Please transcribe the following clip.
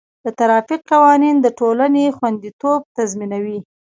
د ټرافیک قوانین د ټولنې خوندیتوب تضمینوي.